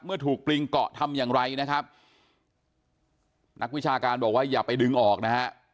เมื่อถูกปริงเกาะทำอย่างไรนะครับนักวิชาการบอกว่าอย่าไปดึงออกนะฮะ